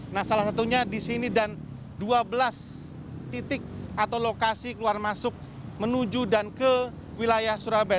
nah salah satunya di sini dan dua belas titik atau lokasi keluar masuk menuju dan ke wilayah surabaya